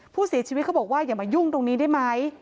ผู้เสียชีวิตเขาบอกว่าอย่ามายุ่งตรงนี้ได้ไหม